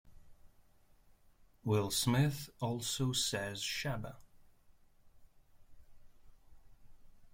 Will Smith also says Shabba!